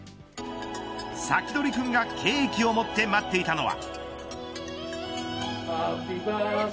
サキドリくんがケーキを持って待っていたのは。